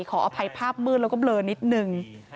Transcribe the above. ขออภัยภาพมืดแล้วก็เบลอนิดนึง